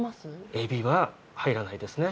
エビは入らないですね